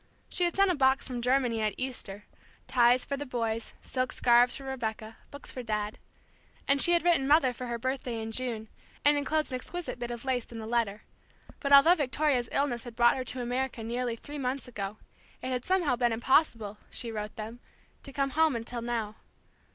She had sent a box from Germany at Easter, ties for the boys, silk scarves for Rebecca, books for Dad; and she had written Mother for her birthday in June, and enclosed an exquisite bit of lace in the letter; but although Victoria's illness had brought her to America nearly three months ago, it had somehow been impossible, she wrote them, to come home until now.